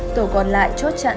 tổ còn lại chốt chặn